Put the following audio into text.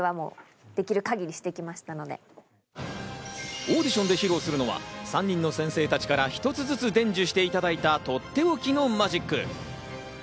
オーディションで披露するのは３人の先生たちから一つずつ伝授していただいた、とっておきのマジック。